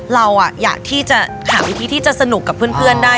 เราอยากที่จะหาวิธีที่จะสนุกกับเพื่อนได้